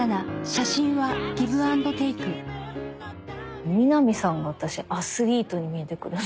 じゃあ南さんも私アスリートに見えてくる。